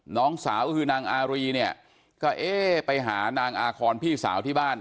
นางอารีเนี่ยก็เอ๊ะไปหานางอาคอนพี่สาวที่บ้าน